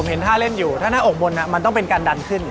เห็นท่าเล่นอยู่ถ้าหน้าอกบนมันต้องเป็นการดันขึ้น